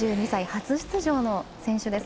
２２歳、初出場の選手。